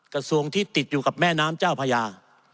กระทรวงที่ติดอยู่กับแม่น้ำเจ้าพญา